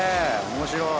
面白い！